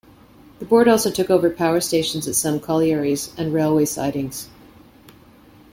The board also took over power stations at some collieries and railway sidings.